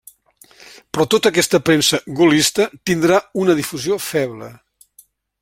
Però tota aquesta premsa gaullista tindrà una difusió feble.